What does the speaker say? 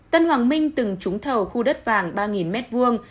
tân hoàng minh từng trúng thầu khu đất vàng